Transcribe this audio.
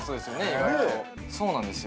意外とそうなんですよ